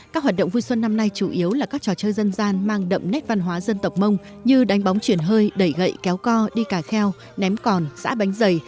các hoạt động vui xuân năm nay chủ yếu là các trò chơi dân gian mang đậm nét văn hóa dân tộc mông như đánh bóng chuyển hơi đẩy gậy kéo co đi cà kheo ném còn xã bánh dày